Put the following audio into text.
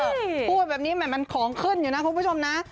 พูดแบบนี้มันของขึ้นอยู่นะคุณผู้ชมนะ